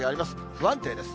不安定です。